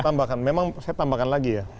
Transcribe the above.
tambahkan memang saya tambahkan lagi ya